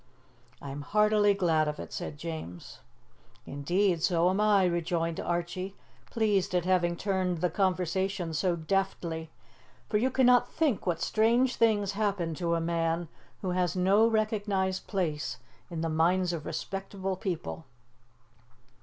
"I am heartily glad of it," said James. "Indeed, so am I," rejoined Archie, pleased at having turned the conversation so deftly, "for you cannot think what strange things happen to a man who has no recognized place in the minds of respectable people."